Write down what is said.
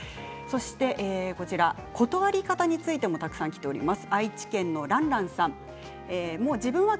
断り方についてもたくさんきています。